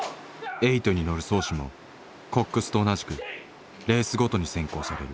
エイトに乗る漕手もコックスと同じくレースごとに選考される。